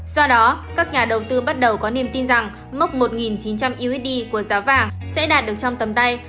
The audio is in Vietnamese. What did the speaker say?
do đó các nhà đầu tư bắt đầu có niềm tin rằng mốc một chín trăm linh usd của giá vàng sẽ đạt được trong tầm tay